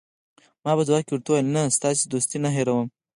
ما په ځواب کې ورته وویل: نه، ستا دوستي نه هیروم.